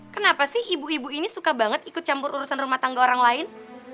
kenapa sih ibu ibu ini suka banget ikut campur urusan rumah tangga orang lain